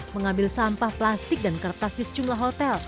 mengambil sampah plastik dan kertas di sejumlah hotel